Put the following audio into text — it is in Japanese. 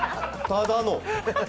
ただの。